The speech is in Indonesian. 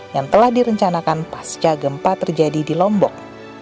yang telah direncanakan pasca gempa terjadi di lombok